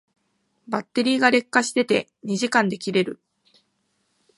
バッテリーが劣化して二時間で切れる